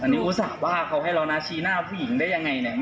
อันนี้อุตส่าห์ว่าเขาให้เรานะชี้หน้าผู้หญิงได้ยังไงเนี่ย